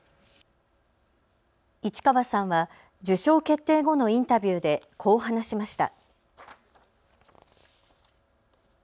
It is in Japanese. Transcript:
市川さんは受賞決定後のインタビューでこう話しました。